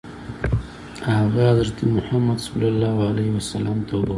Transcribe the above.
هغه حضرت محمد صلی الله علیه وسلم ته وویل.